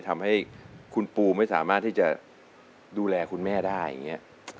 ทำให้คุณปูไม่สามารถที่จะดูแลคุณแม่ได้อย่างนี้